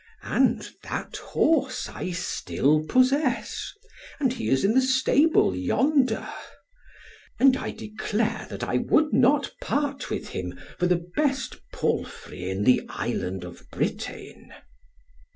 And that horse I still possess, and he is in the stable yonder. And I declare that I would not part with him for the best palfrey in the Island of Britain.